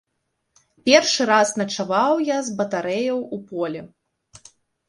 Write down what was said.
Першы раз начаваў я з батарэяю ў полі.